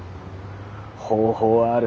方法はある。